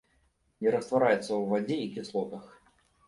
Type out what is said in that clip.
Не раствараецца ў вадзе і кіслотах.